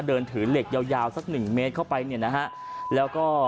เดินถือเหล็กเยาสัก๑เมตรเข้าไปเนี่ยนะฮะ